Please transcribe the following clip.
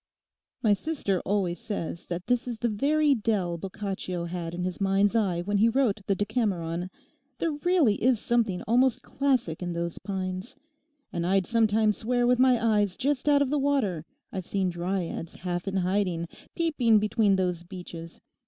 'My sister always says that this is the very dell Boccaccio had in his mind's eye when he wrote the "Decameron." There really is something almost classic in those pines. And I'd sometimes swear with my eyes just out of the water I've seen Dryads half in hiding peeping between those beeches.